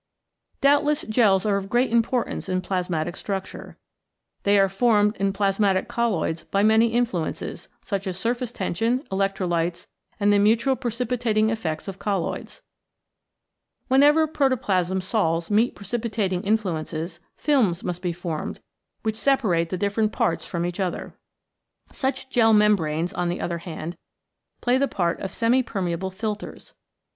Doubtless gels are of great importance in plasmatic structure. They are formed in plasmatic colloids by many influences, such as surface tension, electrolytes, and the mutual precipitating effects of colloids. Wherever protoplasm sols meet precipitating in fluences, films must be formed, which separate the different parts from each other. Such gel mem branes, on the other hand, play the part of semi permeable filters.